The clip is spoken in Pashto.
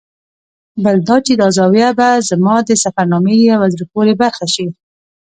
بل دا چې دا زاویه به زما د سفرنامې یوه زړه پورې برخه شي.